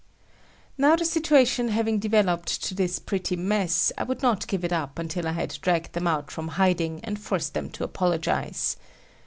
Now the situation having developed to this pretty mess, I would not give it up until I had dragged them out from hiding and forced them to apologize.